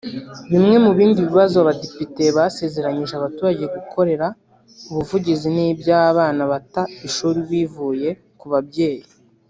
Bimwe mu bindi bibazo abadepite basezeranyije baturage gukorera ubuvugizi ni iby’abana bata ishuri bivuye ku babyeyi